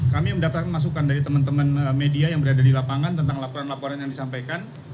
kami mendapatkan masukan dari teman teman media yang berada di lapangan tentang laporan laporan yang disampaikan